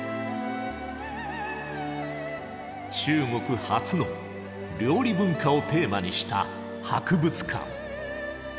中国初の料理文化をテーマにした博物館。